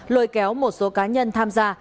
lôi kéo một số cá nhân tham gia